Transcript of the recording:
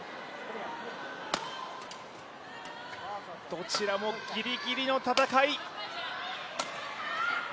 どちらもギリギリの戦い。